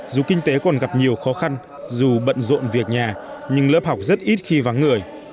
dù kinh tế còn gặp nhiều khó khăn dù bận rộn việc nhà nhưng lớp học rất ít khi vắng người